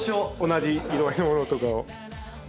同じ色合いのものとかを。